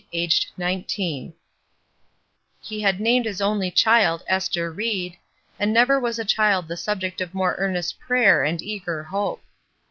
AGED NINETEEN." He had named his only child "Ester Ried," and never was a child the subject of more ear 20 ESTER RIED^S NAMESAKE nest prayer and eager hope.